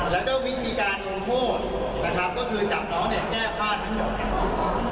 แล้วก็วิธีการลงโทษนะครับก็คือจับน้องเนี่ยแก้พลาดทั้งหมด